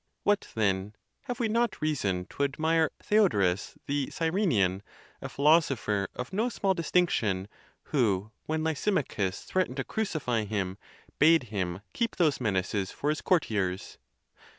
What, then, have we not reason to admire Theodorus the Cyrenean, a philosopher of no small dis tinction, who, when Lysimachus threatened to crucify him, bade him keep those menaces for his courtiers?